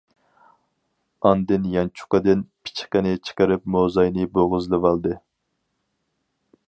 ئاندىن يانچۇقىدىن پىچىقىنى چىقىرىپ موزاينى بوغۇزلىۋالدى.